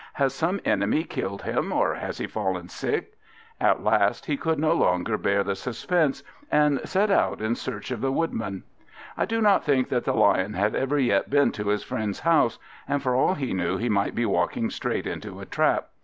"Has some enemy killed him, or has he fallen sick?" At last he could no longer bear the suspense, and set out in search of the Woodman. I do not think that the Lion had ever yet been to his friend's house; and for all he knew he might be walking straight into a trap.